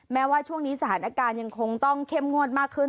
แม้ว่าช่วงนี้สถานการณ์ยังคงต้องเข้มงวดมากขึ้น